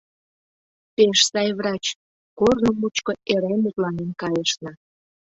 Пеш сай врач, корно мучко эре мутланен кайышна.